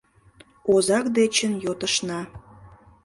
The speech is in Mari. Озак дечын йотышна!»